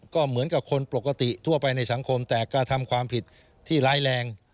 ก็เหมือนกับคนปกติทั่วไปในสังคมแต่กระทำความผิดที่ร้ายแรง